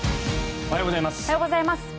おはようございます。